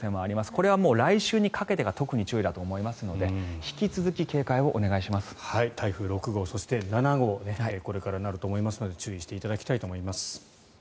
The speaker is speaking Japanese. これは来週にかけてが特に注意だと思いますので台風６号そして７号これからなると思いますので注意していただきたいと思います。